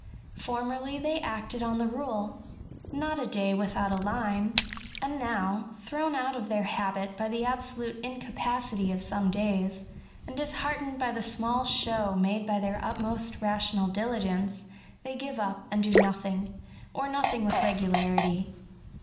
Formerly they acted on the rule —" not a day without a line,'* and now, thrown out of their habit by the absolute incapacity of some days, and disheartened by the small show made by their utmost rational diligence, they give up, and do nothing, — or nothing with regularity.